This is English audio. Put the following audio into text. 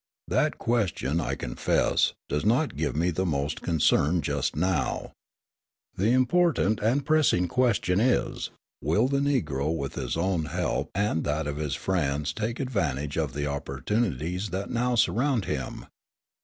That question, I confess, does not give me the most concern just now. The important and pressing question is, Will the Negro with his own help and that of his friends take advantage of the opportunities that now surround him?